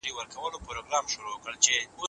ملي ګټې باید عادلانه وساتل شي